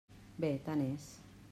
Bé, tant és.